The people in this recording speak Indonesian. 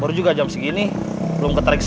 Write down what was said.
kamu udah gak megang dana taktis